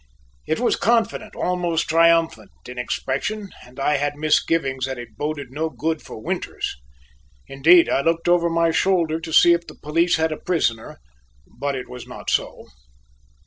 It was confident, almost triumphant, in expression, and I had misgivings that it boded no good for Winters. Indeed, I looked over my shoulder to see if the police had a prisoner, but it was not so.